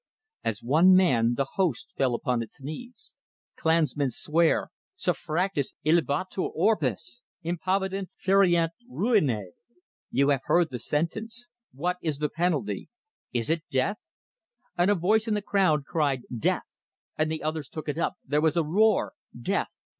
As one man, the host fell upon its knees. "Klansmen, swear! Si fractus illibatur orbis, impavidum ferient ruinae! You have heard the sentence. What is the penalty? Is it death?" And a voice in the crowd cried "Death!" And the others took it up; there was a roar: "Death!